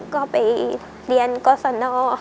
ก็ไปเรียนกศน